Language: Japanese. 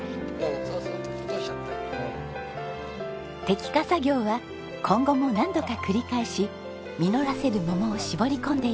摘果作業は今後も何度か繰り返し実らせる桃を絞り込んでいきます。